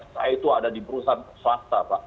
saya itu ada di perusahaan swasta pak